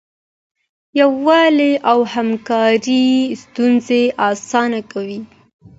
یووالی او همکاري ستونزې اسانه کوي.